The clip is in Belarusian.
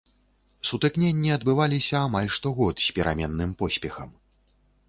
Сутыкненні адбываліся амаль штогод з пераменным поспехам.